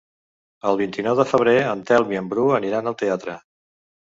El vint-i-nou de febrer en Telm i en Bru aniran al teatre.